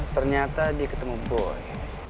ternyata dia ketemu boy